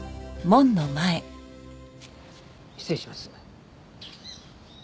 失礼します。